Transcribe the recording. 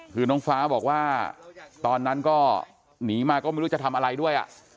คือน้องฟ้าบอกว่าตอนนั้นก็หนีมาก็ไม่รู้จะทำอะไรด้วย